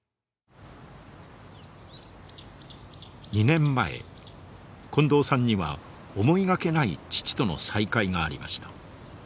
２年前近藤さんには思いがけない父との再会がありました。